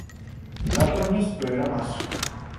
L'atro mes pleverá mas.